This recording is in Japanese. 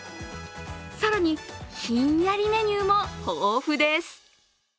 更に、ひんやりメニューも豊富です。